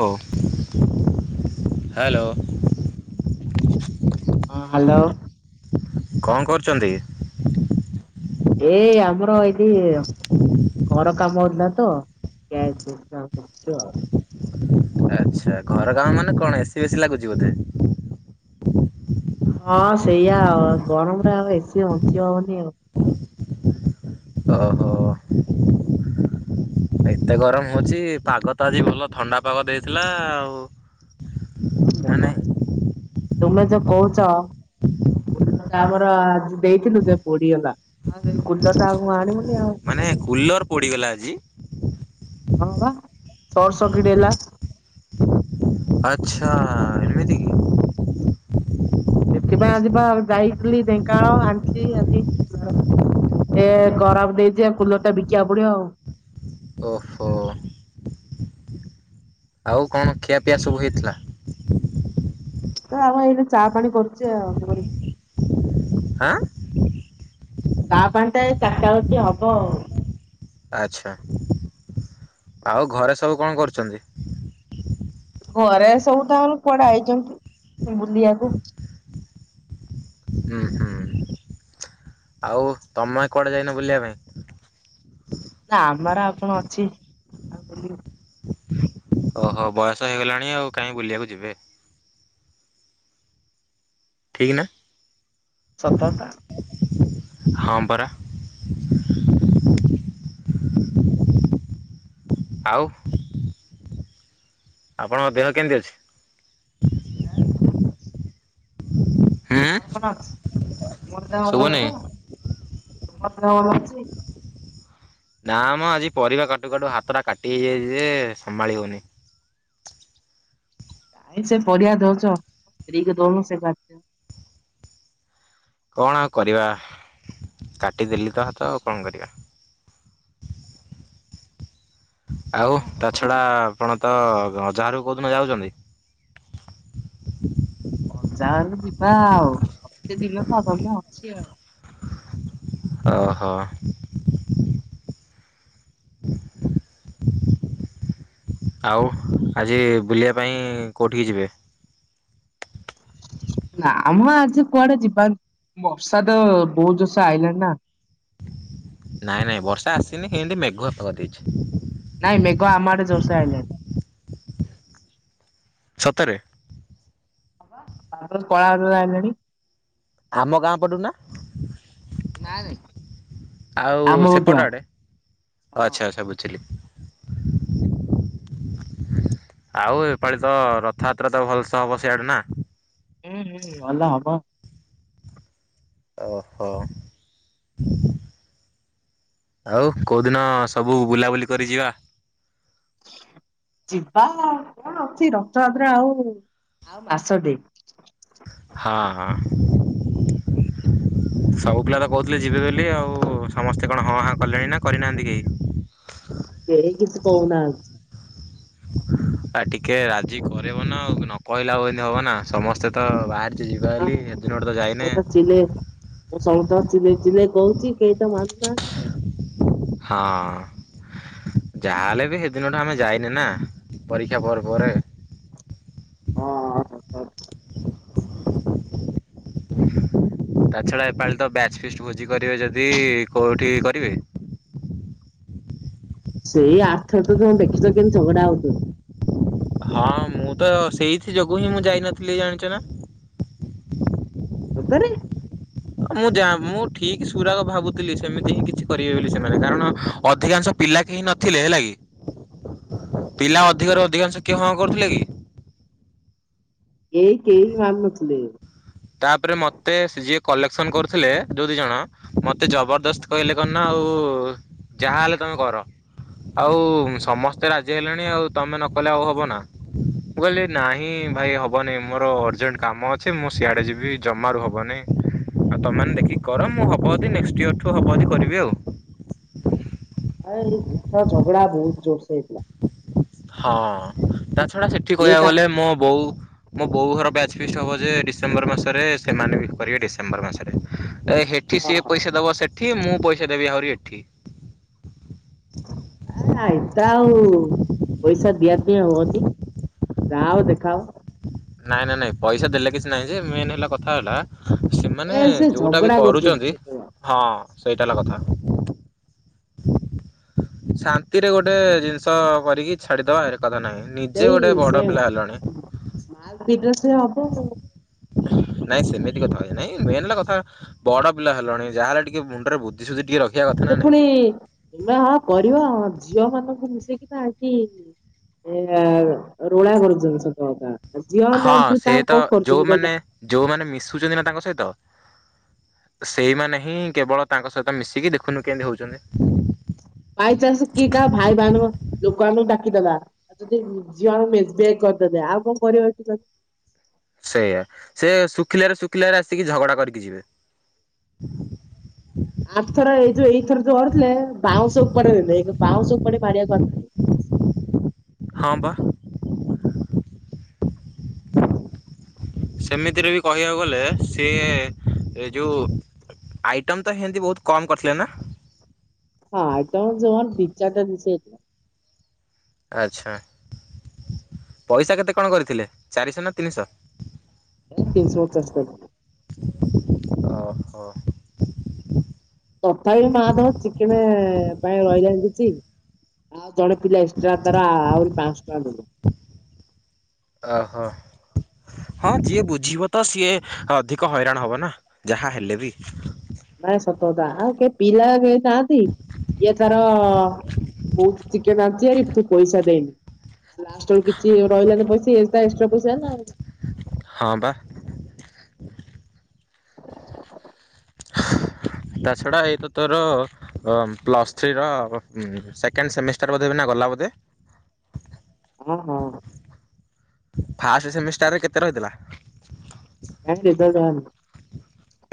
ହଉ ହ୍ୟାଲୋ। ହଁ ହ୍ୟାଲୋ। କଣ କରୁଛନ୍ତି? ଏଇ ଆମର ଏଇଠି ଘର କାମ ହେଉଥିଲା ତ ଠିଆ ହେଇ [unintelligible] ଆଉ। ଆଚ୍ଛା, ଘର କାମ ମାନେ କଣ ଏସି ବେଶି ଲାଗୁଛି ବୋଧେ? ହଁ ସେଇଆା ଆଉ, ଗରମରେ ଆଉ ଏସି ବଞ୍ଚି ହବନି ଆଉ। ଓହ। ଏତେ ଗରମ ହଉଛି, ପାଗ ତ ଆଜି ଭଲ ଥଣ୍ଡା ପାଗ ଦେଇଥିଲା ଆଉ ନା ମନା, ନାଇଁ? ତୁମେ ଯୋ କହୁଛ। ଆଉ କୁଲର ଟା ହଁ ଆମର ଆଜି ଦେଇଥିଲୁ ସେ ପୋଡିଗଲା, କୁଲର ଟା ଆଉ ଆଣିବୁନି ଆଉ। ମାନେ କୁଲର ପୋଡିଗଲା ଆଜି? ହଁ ପା ସର୍ଟ ସକିଟ ହେଲା। ଆଛା, ଏମିତି କି? ସେଥିପାଇଁ ଆଜି ବା ଯାଇଥିଲି ଢେଙ୍କାନାଳ ଆଣିଚି ଆଜି ଏ ଖରାପ ଦେଇଛି, କୁଲର ଟା ବିକିବାକୁ ପଡିବ ଆଉ। ଓହୋ। ଆଉ କଣ ଖିଆପିଆ ସବୁ ହେଇଥିଲା? ଏ ଆମ ଏଇଠି ଚା ପାଣି କରୁଛି ଆଉ ହବଣୀ। ହାଁ? ଚା ପାଣି ଟା ଏଇ ଚାରଟାଳୁ ଟିକେ ହବ ଆଉ। ଆଚ୍ଛା, ଆଉ ଘରେ ସବୁ କଣ କରୁଛନ୍ତି? ଘରେ ସବୁ ତାଙ୍କର କୁଆଡେ ଆଇଛନ୍ତି ବୁଲିବାକୁ। ହୁଁ ହୁଁ। ଆଉ ତମେ କୁଆଡେ ଯାଇନ ବୁଲିବା ପାଇଁ? ନା ଆମର ଆଉ କଣ ଅଛି, ଆମେ ବୁଲିବୁ। ଓହୋ ବୟସ ହେଇଗଲାଣି ଆଉ, କାହିଁ ବୁଲିବାକୁ ଯିବେ। ଠିକ୍ ନା। ସତ ଟା। ହଁ ପରା। ଆଉ ଆପଣଙ୍କ ଦେହ କେମିତି ଅଛି? ଏ ଠିକ୍ ଅଛି। [unintelligible] ମୋର କଣ ଅଛି, ତୁମର ଦେହ ଭଲ ଶୁଭୁନି ଅଛି ତ ତୁମର ଦେହ ଭଲ ଅଛି? ନା ମ ଆଜି ପରିବା କାଟୁ କାଟୁ ହାତଟା କାଟି ହେଇଯାଇଚି ଯେ ସମାଳି ହଉନି। କାଇଁ ସେ ପରିବା ଦଉଚ ସ୍ତ୍ରୀ କୁ ଦଉନ ସେ କା କଣ ଆଉ କରିବା, କାଟିଦେଲି ତ ହାତ ଆଉ କଣ କରିବା। ଆଉ ତା ଛଡା ଆପଣ ତ ଅଜା ହରକୁ କୋଉ ଦିନ ଯାଉଚନ୍ତି? ଅଜାହରକୁ ଯିବା ଆଉ, ଅଛି ଦିନ ତ ମନ ଅଛି ଆଉ। ଓହୋ। ହୁଁ [unintelligible] ଆଉ ଆଜି ବୁଲିବା ପାଇଁ କଉଠିକି ଯିବେ? ନାମ ଆଜି କୁଆଡେ ଯିବାର ନା ବର୍ଷା ତ ବୋହୁତ ଜୋସେ ଆଇଲାନି ନା। ନାଇଁ ନାଇଁ ବର୍ଷା ଆସିନି, ଏମତି ମେଘୁଆ ପାଗ ଦେଇଚି। ନାଇଁ ମେଘ ଆମ ଆଡେ ଜୋରସେ ଆଇଲାଣି। ସତରେ? ହଁ ପା ବାଦଲ କଳା ବାଦଲ ଆଇଲାଣି। ଆମ ଗାଁ ପଟୁ ନା। ନାଇଁ ନାଇଁ ଆଉ ଆମ ପଟୁଆ ସେପଟ ଆଡେ। ହଉ ହଁ ଆଚ୍ଛା ଆଛା ବୁଝିଲି। ଆଉ ଏପାଳି ତ ରଥଯାତ୍ରା ତ ଭଲସେ ହବ ସିଆଡେ ନା। ହୁଁ ହୁଁ ଭଲ ହବ। ଓହୋ। ଆଉ କୋଉଦିନ ସବୁ ବୁଲାବୁଲି କରି ଯିବା। ଯିବା କଣ ଅଛି ରଥଯାତ୍ରା ହଉ। ଆଉ ମାସ ଟେ। ହଁ ହଁ। ସବୁ ପିଲା ତ କହୁଥିଲେ ଯିବେ ବେଲି ଆଉ ସମସ୍ତେ କଣ ହଁ ହାଁ କଲେଣି ନା କରିନାହାନ୍ତି କେହି। କେହି କିଛି କହୁନାହାନ୍ତି। ଆ ଟିକେ ରାଜି କରେଇବ ନା ଆଉ ନ କହିଲା ଆଉ ଏମିତି ହବ ନା ସମସ୍ତେ ତ ବାହାରି ସେ ଯିବା ବେଲି ହେ ଦିନ ଠୁ ତ ଯାଇନେ। ଦିନେ ମୁଁ ସମସ୍ତଙ୍କୁ ଚିଲେଇ ଚିଲେଇ କହୁଚି କେହି ତ ମାନୁନାହାନ୍ତି ଆଉ। ହଁ। ଯାହାଲେ ବି ହେଦିନଠୁ ଆମେ ଯାଇନେ ନା ପରୀକ୍ଷା ପରେ ପରେ। ହଁ ହଁ ହ। ତା ଛଡା ଏପାଳି ତ ବ୍ୟାଚ ଫିଷ୍ଟ ଭୋଜି କରିବେ ଯଦି କୋଉଠି କରିବେ। ସେଇ ଆରଥର ତ ତମେ ଦେଖିଚ କେମତି ଝଗଡା ହଉଥେଲେ। ହଁ ମୁଁ ତ ସେଇଥି ଯୋଗୁ ହିଁ ମୁଁ ଯାଇନଥିଲି ଜାଣିଛ ନା। ସତରେ। ମୁଁ ଯା ମୁଁ ଠିକ ସୁରାଗ ଭାବୁଥିଲି ସେମିତି ହିଁ କିଛି କରିବେ ବୋଲି ସେମାନେ କାରଣ ଅଧିକାଂଶ ପିଲା କେହି ନଥିଲେ ହେଲା କି ପିଲା ଅଧିକରୁ ଅଧିକାଂଶ କିଏ ହଁ କରିଥିଲେ କି? ଏଇ କେହି ମାନୁନଥିଲେ। ତାପରେ ମତେ ସେ ଯିଏ କଲେକ୍ସନ୍ କରୁଥିଲେ ଯୋଉ ଦି ଜଣ ମତେ ଜବରଦସ୍ତ କହିଲେ କଣ ନା ଆଉ ଯାହା ହେଲେ ତମେ କର। ଆଉ ସମସ୍ତେ ରାଜି ହେଲେଣି ଆଉ ତମେ ନକଲେ ଆଉ ହବ ନା। ମୁଁ କହିଲି ନାହିଁ ଭାଇ ହବନି ମୋର ଅରଜେଣ୍ଟ କାମ ଅଛି ମୁଁ ସିଆଡ଼େ ଯିବି ଜମାରୁ ହବନି। ଆଉ ତମେ ମାନେ ଦେଖିକି କର ମୁଁ ହବ ଯଦି ନେକ୍ସଟ ଇୟର ଠୁ ହବ ଯଦି କରିବି ଆଉ। ଆ ଏଇଥର ଝଗଡା ବହୁତ ଜୋରସେ ହେଇଥିଲା। ହଁ ତା ଛଡା ସେଠି ଇଏ କହିବାକୁ ତା ଗଲେ ମୋ ବୋଉ ମୋ ବୋଉ ହର ବ୍ୟାଚ ଫିଷ୍ଟ ହବ ଯେ ଡିସେମ୍ବର ମାସରେ ସେମାନେ ବି କରିବେ ଡିସେମ୍ବର ମାସରେ ଏ ହେ ଠି ସିଏ ହଁ ପଇସା ଦବ ସେଠି ମୁଁ ପଇସା ଦେବି ଆହୁରି ଏଠି। ଆ ଏତେ ଆଉ ପଇସା ଦିଆ ଦୁଇ ଆଉ ହୁଅନି। ଯା ହବ ଦେଖାହବ। ନାଇଁ ନାଇଁ ନାଇଁ ପଇସା ଦେଲେ କିଛି ନାଇଁ ଯେ ମେନ୍ ହେଲା କଥା ହେଲା ସେମାନେ ଏ ସେ ଯୋଉଟା ବି ଝଗଡା କରୁଛନ୍ତି ସେତେବେଳେ ହଁ ସେଇଟା ହେଲା କଥା। ଶାନ୍ତିରେ ଗୋଟେ ଜିନିଷ କରିକି ଛାଡିଦବା ଏ କଥା ନାହିଁ। ନିଜେ ସେଇ ଗୋଟେ ସେ ବଡ ପିଲା ହେଲଣି। [unintelligible] [inaudible] ନାଇଁ ସେମିତି କଥା ହୁଏ ନାଇଁ ମେନ ହେଲା କଥା ବଡ ପିଲା ହେଲଣି ଯାହା ହେଲେ ଟିକେ ମୁଣ୍ଡରେ ବୁ ଧି ସୁଧି ଟିକେ ରହିବା କଥା। ନା ସେ ନାଇଁ। ପୁଣି ଏମା ହ କରିବ ଝିଅ ମାନଙ୍କୁ ମିଶେଇକି ପା ଆକି ଏରା ରୋଳା କରୁଛନ୍ତି ସତ କଥା ଝିଅ ନା ହଁ ପୁ ସେ ତ ତାଙ୍କୁ କୋକ କରୁଛନ୍ତି ଯୋଉମାନେ କହିଲ। ଯୋଉମାନେ ମିଶୁଚନ୍ତି ନା ତାଙ୍କ ସହିତ ସେଇମାନେ ହିଁ କେବଳ ତାଙ୍କ ସହିତ ମିଶିକି ଦେଖୁନୁ କେମିତି ହଉଛନ୍ତି। ପାଇ ଚାଷ କି କା ଭାଇ ବଣ ଲୋକଙ୍କୁ ଡାକିଦେଲା ଆଉ ଯଦି ଝିଅହଣ କରିଦେଦେ ଆଉ କଣ କରିବାର ସେଇଆ ସେ ଶୁଖିଲାରେ ଶୁଖିଲାରେ ଆସିକି ଝଗଡା କରିକି ଯିବେ ଆଠ ଥର ଏଇ ଯୋଉ ଏଇଥର ଯୋଉ ହଥିଲେ ବାଉଁଶ ଉପଡ ବାଉଁଶ ଉପଡି ମାରିବାକୁ ଆସିଥିଲେ ହଁ ବା ସେମିତିରେ ବି କହିବାକୁ ଗଲେ ସିଏ ଏ ଯେଉଁ ଆଇଟମ ତ ହେଏମତି ବହୁତ କମ କରିଥିଲେ ନା ହଁ ଆଇଟମ ଜମା ଦିଇ ଚାରଟା ଦିସଥିଲା ଆଚ୍ଛା ପଇସା କେତେ କ ଣ କରିଥିଲେ ଚାରିଶହ ନା ତିନିଶହ ଏ ତିନଶହ ପଚାଶ ଓ ହୋ ତଥାପି ମା ଦେହ ଚିକେନ ପାଇଁ ରହିଲାଣି କିଛି ଆଉ ଜଣେ ପିଲା ଏକ୍ସଟ୍ରା ତର ଆହୁରି ପାଞ୍ଚଶହ ଟଙ୍କା ଦେବେ ଓହୋ ହଁ ଯିଏ ବୁଝିବ ତ ସିଏ ଅଧିକ ହଇରାଣ ହବ ନା ଯାହା ହେଲେ ବି ନାଇ ସତକତା ଆଉ କେହିଁ ପିଲା କେ ନାହାନ୍ତି ଏଇଏ ତାର ବହୁତ ଚିକେ ନାହାନ୍ତି ଆରି ତୁ ପଇସା ଦେଇନି ଲାଷ୍ଟ ବି କିଛି ରହିଲାନି ପଇସା ଏକ୍ସଟ୍ରା ପଇସା ନା ଆଉ ହଁ ବା ତା ଛଡ଼ା ଏ ତ ତୋର ଅ ପ୍ଲସ୍ ଥ୍ରୀର ସେକେଣ୍ଡ ସେମିଷ୍ଟାର ବୋଧେ ବି ନା ଗଲା ବୋଧେ [inaudible] ହଁ ହଁ ଫାଷ୍ଟ ସେମିଷ୍ଟାର କେତେ ରହିଥିଲା? ଏ [unintelligible]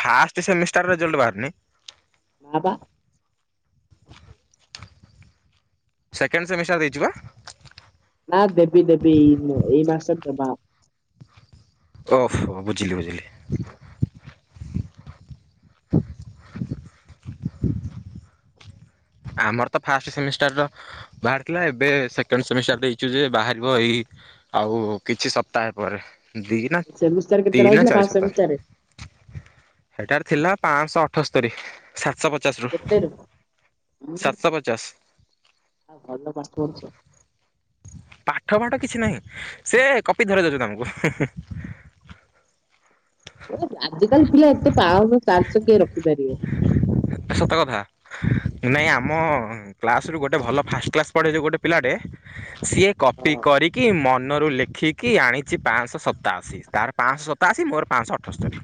ଫାଷ୍ଟ ସେମିଷ୍ଟାର ରେଜଲ୍ଟ ବାହାରିନି ନା ବା ସେକେଣ୍ଡ ସେମିସର ହେଇଯିବା ନା ଦେବି ଦେବି ଏଇ ଏଇ ମାସରେ ଦେବା ଓଫୋ ବୁଝିଲି ବୁଝିଲି ଆମର ତ ଫାଷ୍ଟ ସେମିଷ୍ଟାର ର ବାହାରିଥିଲା ଏବେ ସେକେଣ୍ଡ ସେମିଷ୍ଟାର ଦେଇଛୁ ଯେ ବାହାରିବ ଏଇ ଆଉ କିଛି ସପ୍ତାହେ ପରେ ଦି ନା ସେମିଷ୍ଟାର କେତେ ତିନି ନା ରହିଥିଲା ଚାରି ଫାଷ୍ଟ ସପ୍ତାହ ସେମିଷ୍ଟାରରେ ସେଟାର ଥିଲା ପାଞ୍ଚଶହ ଅଠସ୍ତରୀ ସାତଶହ ପଚାଶ ରୁ କେତେ ଇ ସାତଶହ ପଚାଶ ଆଉ ଭଲ ପାଠ ପଢୁଛ। ପାଠ ପାଠ କିଛି ନାହିଁ ସେ କପି ଧରି ଦଉଛ ତମକୁ [inaudible] ଆଜିକାଲି ପିଲା ଏତେ ପାଞ୍ଚଶହ ଚାରିଶହ କିଏ ରଖିପାରିବେ। ସତକଥା ନାଇଁ ଆମ କ୍ଲାସ ରୁ ଗୋଟେ ଭଲ ଫାଷ୍ଟ କ୍ଲାସ ପଢେ ଯେ ଗୋଟେ ପିଲାଟେ ସିଏ କପି ହଁ। କରିକି ମନରୁ ଲେଖିକି ଆଣିଛି ପାଞ୍ଚଶହ ସତାଅଶୀ ତାର ପାଞ୍ଚଶହ ଶତା ଆଶୀ ମୋର ପାଞ୍ଚଶହ ଅଠସ୍ତରୀ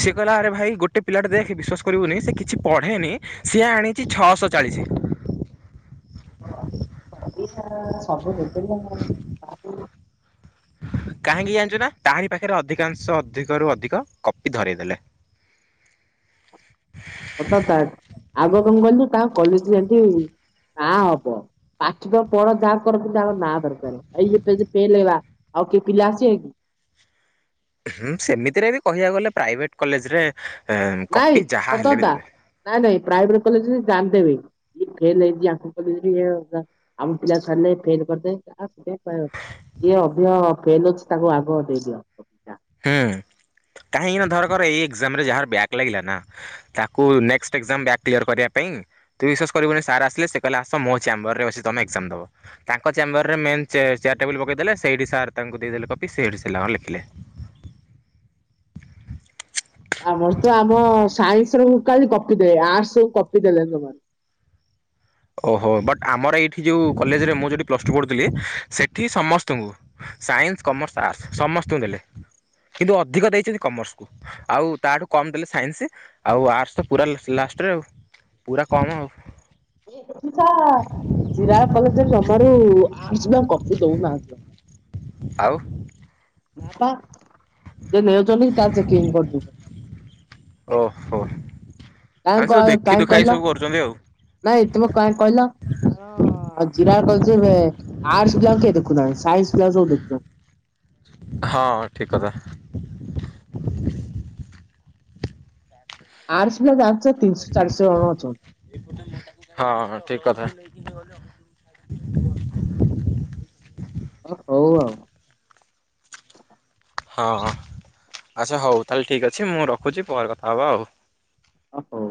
ସିଏ କହିଲା ଆରେ ଭାଇ ଗୋଟେ ପିଲାଟା ଦେଖ ବିଶ୍ଵାସ କରିବୁନି ସେ କିଛି ପଢେନି ସିଏ ଆଣିଛି ଛଅଶହ ଚାଳିଶ ସବୁ ହେ [unintelligible] କାହିଁକି ଜାଣିଛୁ ନା ତାହାରି ପାଖରେ ଅଧିକାଂଶ ଅଧିକରୁୁ ଅଧିକ କପି ଧରଇଦେଲେ। [inaudible] ଅଥା ଆଗ କଣ କଲି ତା କଲେଜ ଯଠ ନା ହବ ପାଠିବ ପଢ ଯାହା କରନ୍ତି ଯ ନା ଦରକାର ଏଇ ଯେ ପେଲ ହେବା। ଆଉ କିଏ ପିଲା ଆସିବେ କି ହଁ ସେମିତିରେ ବି କହିବାକୁ ଗଲେ ପ୍ରାଇଭେଟ୍ କଲେଜରେ ନାଇଁ କପି ଯାହା ସତ ହେଲେ ବି କଥା ଦେବେ ନାଇଁ -ନାଇଁ ପ୍ରାଇଭେଟ୍ କଲେଜ୍ ରେ ଜାଣିଦେବେ। ଏ ଫେଲ୍ ହେଇଚି ଆଙ୍କ କଲେଜେରେ ଆମ [unintelligible] ଯିଏ ଅଧିକ ଫେଲ୍ ହେଇଚି ତାକୁ ଆଗ ଦେଇଦିଅ। ହୁଁ କାହିଁକିନା ଧର କର ଏଇ ଏକ୍ଜାମ୍ ରେ ଯାହାର ବ୍ୟାକ୍ ଲାଗିଲା ନା ତାକୁ ନେକ୍ସଟ୍ ଏକ୍ଜାମ୍ ବ୍ୟାକ୍ କ୍ଲିଅର୍ କରିବା ପାଇଁ ତୁ ବିଶ୍ୱାସ କରିବୁନି ସାର୍ ଆସିଲେ ସେ କହିଲେ ଆସ ମୋ ଚାମ୍ବରରେ ବସି ତମେ ଏକ୍ଜାମ୍ ଦବ। ତାଙ୍କ ଚ୍ୟାମ୍ବରରେ ମେନ୍ ଚେ-ଚେୟାର୍ ଟେବୁଲ୍ ପକେଇଦେଲେ ସେଇଠି ସାର୍ ତାଙ୍କୁ ଦେଇଦେଲେ କପି ସେଇଠି ସେ ତାଙ୍କର ଲେଖିଲେ। ଆମର ତ ଆମ ସାଇନ୍ସ ର କାଲି କପି ଦେଲେ ଆର୍ଟସ ରୁ କପି ଦେଲେନି ଜମା। ଓହୋ ବଟ୍ ଆମର ଏଇଠି ଯଉ କଲେଜେ ରେ ମୁଁ ଯଉଠି ପ୍ଲସ ଟୁ ପଢ଼ୁଥିଲି ସେଠି ସମସ୍ତଙ୍କୁ ସାଇନ୍ସ୍, କମର୍ସ୍, ଆର୍ଟସ୍ ସମସ୍ତଙ୍କୁ ଦେଲେ କିନ୍ତୁ ଅଧିକ ଦେଇଚନ୍ତି କମର୍ସ କୁ। ଆଉ ତାଠୁ କମ୍ ଦେଲେ ସାଇନ୍ସ୍ ଆଉ ଆର୍ଟସ୍ ପୁରା ଲାଷ୍ଟ୍ ରେ ଆଉ। ପୁରା କମ୍ ଆଉ। [unintelligible] ଜିରାଳ କଲେଜ୍ ରେ ଜମାରୁ ଆର୍ଟସ୍ ପିଲାକୁ କପି ଦଉନାହାନ୍ତି। ଆଉ ନା ପା ସେ ନେଉଚନ୍ତି ତା ଚେକିଂ କରିଦଉଚନ୍ତି। ଓହୋ କାହିଁ ଆଇ କ ସବୁ ଦେଖି କାହିଁ ଦୁଖାକି କହିଲ ସବୁ କରୁଚନ୍ତି ଆଉ। ନାଇଁ ତମେ କାଇଁ କହିଲ ଆଉ ଜିରା କ [unintelligible] ଆର୍ଟସ ପିଲା କିଏ ଦେଖୁନାହାନ୍ତି ସାଇନ୍ସ୍ ପିଲା ସବୁ ଦେଖୁଛନ୍ତି। ହଁ ଠିକ୍ କଥା। ଆଟ୍ସ୍ ଜାଣିଚ ତିନିଶ ଚାରିଶ ଜଣ ଅଛନ୍ତି। ହଁ ଠିକ୍ କଥା। ଓ- ହଉ ଆଉ। ହଁ-ହଁ ଆଚ୍ଛା ହଉ ତାହେଲେ ଠିକ୍ ଅଛି ମୁଁ ରଖୁଚି ପରେ କଥା ହବା ଆଉ। ଓ ହଉ।